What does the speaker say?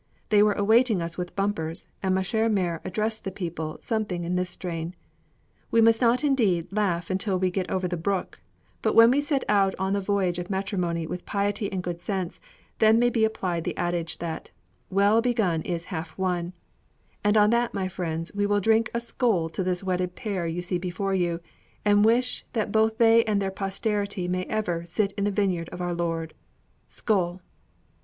They were awaiting us with bumpers, and ma chère mère addressed the people something in this strain: "We must not indeed laugh until we get over the brook; but when we set out on the voyage of matrimony with piety and good sense, then may be applied the adage that 'Well begun is half won'; and on that, my friends, we will drink a skoal to this wedded pair you see before you, and wish that both they and their posterity may ever 'sit in the vineyard of our Lord.' Skoal!"